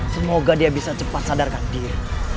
semoga dia bisa cepat sadarkan diri